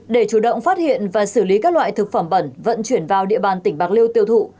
để chủ động phát hiện và xử lý các loại thực phẩm bẩn vận chuyển vào địa bàn tỉnh bạc liêu tiêu thụ